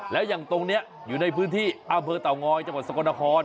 แล้วอย่างตรงนี้อยู่ในพื้นที่อำเภอเต่างอยจังหวัดสกลนคร